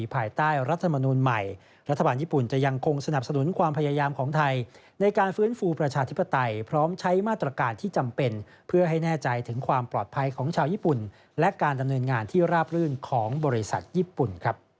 ภายใต้รัฐมนูลใหม่รัฐบาลญี่ปุ่นจะยังคงสนับสนุนความพยายามของไทยในการฟื้นฟูประชาธิปไตยพร้อมใช้มาตรการที่จำเป็นเพื่อให้แน่ใจถึงความปลอดภัยของชาวญี่ปุ่นและการดำเนินงานที่ราบรื่นของบริษัทญี่ปุ่น